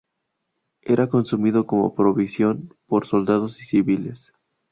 Era consumido como provisión por soldados y civiles.